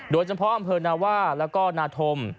โดยเฉพาะอำเภอนาว่าแล้วก็นาธม